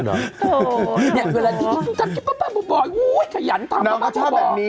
เฮ้อเธอนี่เวลางี้กินปกป้ายได้อีกบ่อยอู๊ยขยันต่ำอะ